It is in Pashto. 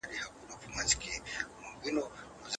د ناسمو عادتونو اصلاح د کار موثریت زیاتوي.